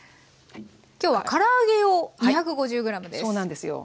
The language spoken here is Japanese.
今日はから揚げ用２５０ｇです。